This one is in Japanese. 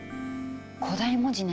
古代文字ね。